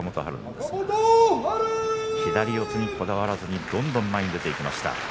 春左四つにこだわらずにどんどん前に出ていきました。